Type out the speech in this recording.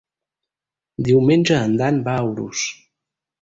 Diumenge en Dan va a Urús.